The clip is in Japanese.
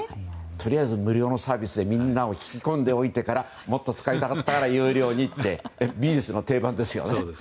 とりあえず無料のサービスでみんなを引き込んでおきながらもっと使いたかったら有料にってビジネスの定番ですよね。